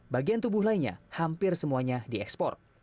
bagian tubuh lainnya hampir semuanya diekspor